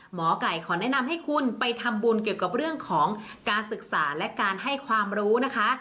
หมอไก่ขอแนะนำให้คุณไปทำบุญเกี่ยวกับเรื่องของการศึกษาและการให้ความรู้นะคะ